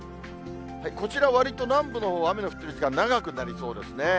こちら、わりと南部のほうは雨の降ってる時間、長くなりそうですね。